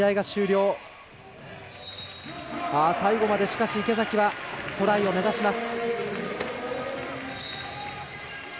最後まで池崎はトライを目指します。